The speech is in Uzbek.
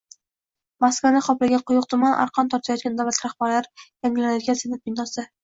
Moskvani qoplagan quyuq tuman, arqon tortayotgan davlat rahbarlari, yangilanayotgan Senat binosi